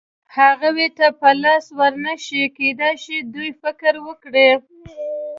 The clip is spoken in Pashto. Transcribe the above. هغوی ته په لاس ور نه شي، کېدای شي دوی فکر وکړي.